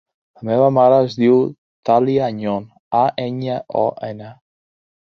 La meva mare es diu Thàlia Añon: a, enya, o, ena.